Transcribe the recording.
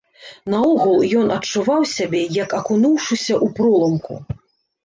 Наогул, ён адчуваў сябе, як акунуўшыся ў проламку.